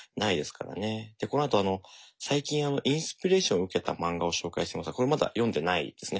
でこのあとあの最近インスピレーションを受けた漫画を紹介してますがこれまだ読んでないですね。